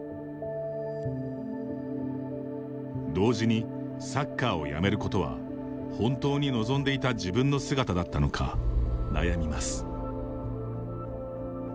同時に、サッカーをやめることは本当に望んでいた自分の姿だったのか悩みます。